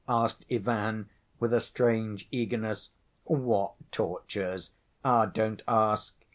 asked Ivan, with a strange eagerness. "What tortures? Ah, don't ask.